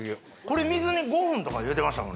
これ水に５分とか入れてました